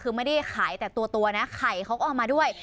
คือไม่ได้ขายแต่ตัวนะไข่เขาก็เอามาด้วย